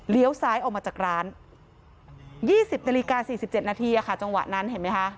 ซ้ายออกมาจากร้าน๒๐นาฬิกา๔๗นาทีจังหวะนั้นเห็นไหมคะ